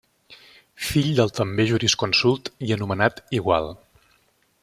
Fill del també jurisconsult i anomenats igual: